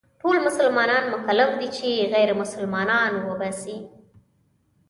ټول مسلمانان مکلف دي چې غير مسلمانان وباسي.